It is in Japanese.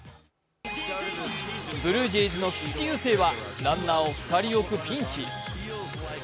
ブルージェイズの菊池雄星はランナーを２人置くピンチ。